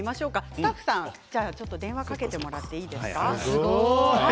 スタッフさん電話をかけてもらっていいですか？